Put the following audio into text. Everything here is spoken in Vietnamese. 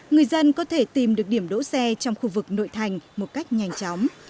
người dân có thể tìm được điểm đỗ xe trong khu vực nội thành một cách nhanh chóng